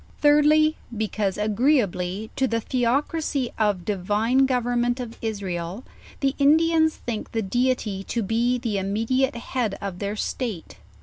Thirdly, because, agreeably to the theocracy of divine government of Israel, the Indians think the Deity to be the immediate head of their state.